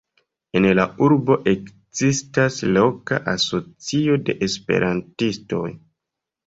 En la urbo ekzistas loka asocio de esperantistoj.